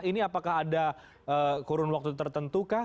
ini apakah ada kurun waktu tertentu kah